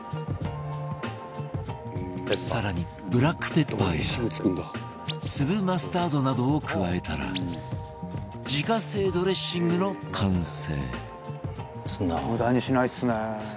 更にブラックペッパーや粒マスタードなどを加えたら自家製ドレッシングの完成